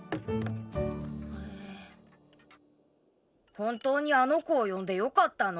本当にあの子を呼んでよかったの？